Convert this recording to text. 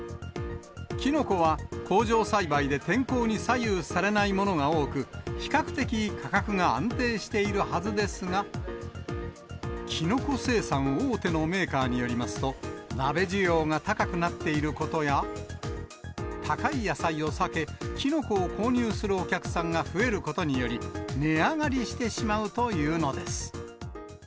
きのこは工場栽培で天候に左右されないものが多く、比較的価格が安定しているはずですが、きのこ生産大手のメーカーによりますと、鍋需要が高くなっていることや、高い野菜を避け、きのこを購入するお客さんが増えることにより、値上がりしてしまうというのです。